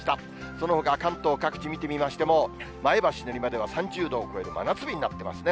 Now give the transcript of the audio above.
そのほか関東各地見てみましても、前橋、練馬では３０度を超える真夏日になってますね。